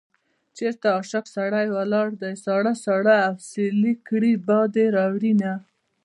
چېرته عاشق سړی ولاړ دی ساړه ساړه اسويلي کړي باد يې راوړينه